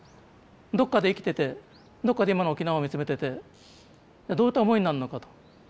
どっかで生きててどっかで今の沖縄を見つめててどういった思いになるのかと。